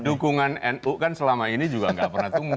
dukungan nu kan selama ini juga nggak pernah tumbuh